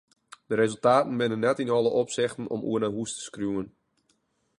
De resultaten binne net yn alle opsichten om oer nei hús te skriuwen.